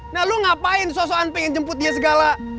nah lo ngapain so soan pengen jemput dia segala